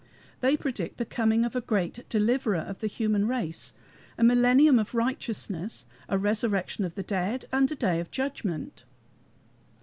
They predict the coming of a Great Deliverer of the human race, a millennium of righteousness, a resurrection of the dead, and a Day of Judgment.